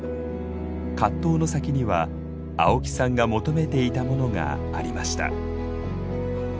葛藤の先には青木さんが求めていたものがありました。